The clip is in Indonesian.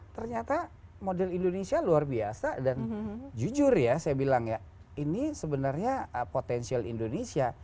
ternyata model indonesia luar biasa dan jujur ya saya bilang ya ini sebenarnya potensial indonesia